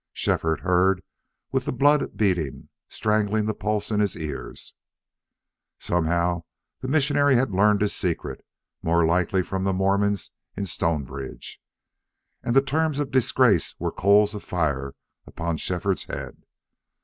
Shefford heard with the blood beating, strangling the pulse in his ears. Somehow this missionary had learned his secret most likely from the Mormons in Stonebridge. And the terms of disgrace were coals of fire upon Shefford's head.